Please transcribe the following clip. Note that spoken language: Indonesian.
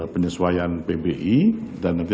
penyesuaian pbi dan nanti